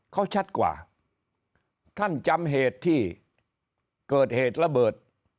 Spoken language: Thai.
เขาชัดกว่าท่านจำเหตุที่เกิดเหตุระเบิด